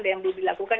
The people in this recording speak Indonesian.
dan yang belum dilakukan